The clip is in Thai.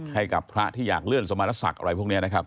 ให้กับพระที่อยากเลื่อนสมรสักอะไรพวกนี้นะครับ